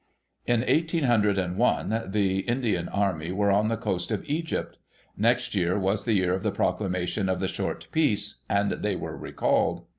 In eighteen hundred and one, the Indian army were on the coast of Egypt, Next year was the year of the proclamation of the short peace, and they were recalled.